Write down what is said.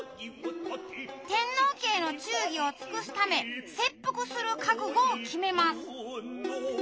天皇家への忠義を尽くすため切腹する覚悟を決めます。